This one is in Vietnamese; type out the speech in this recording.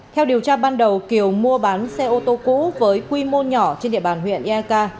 theo điều tra ban đầu kiều mua bán xe ô tô cũ với quy mô nhỏ trên địa bàn huyện eak